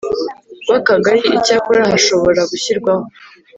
rw Akagari Icyakora hashobora gushyirwaho